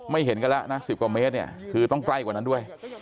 เห็นกันแล้วนะ๑๐กว่าเมตรเนี่ยคือต้องใกล้กว่านั้นด้วย